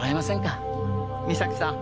岬さん。